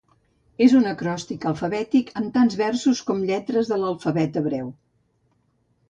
És un acròstic alfabètic, amb tants versos com lletres de l'alfabet hebreu.